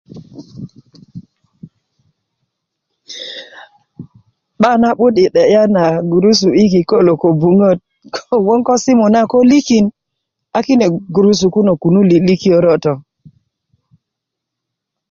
'ba na 'but i te'ya na gurusu i kiko lo kobuŋöt ko gboŋ ko simu na ko likin a kine gurusu kunu liilikinyörö' to